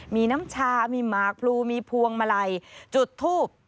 มีน้ำชามีหมากพลูมีพวงมาลัยจุดทูบ